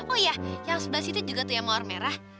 oh iya yang sebelah situ juga tuh yang mawar merah